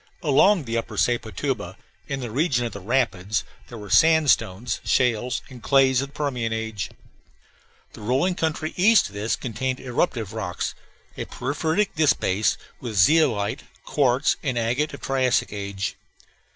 Along the upper Sepotuba, in the region of the rapids, there were sandstones, shales, and clays of Permian age. The rolling country east of this contained eruptive rocks a porphyritic disbase, with zeolite, quartz, and agate of Triassic age.